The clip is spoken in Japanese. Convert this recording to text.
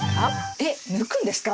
えっ抜くんですか？